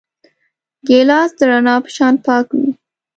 ګیلاس د رڼا په شان پاک وي.